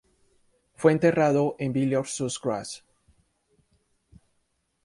Fue enterrado en Villiers-sous-Grez.